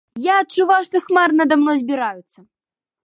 Я адчуваў, што хмары над мной збіраюцца.